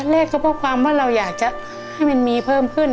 แรกก็เพราะความว่าเราอยากจะให้มันมีเพิ่มขึ้น